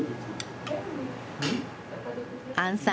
杏さん